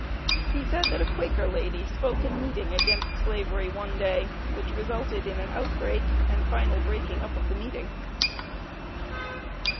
He said, that a Quaker lady spoke in meeting against Slavery one day, which resulted in an outbreak, and final breaking up of the meeting.